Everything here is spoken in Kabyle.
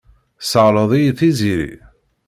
Tesseɣleḍ-iyi Tiziri.